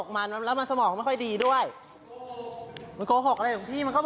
หลวงพี่เป็นพ้าด้วยมันไม่สำควร